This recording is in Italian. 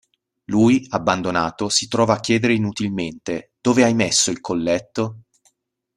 Lui, abbandonato, si trova a chiedere inutilmente: "Dove hai messo il colletto?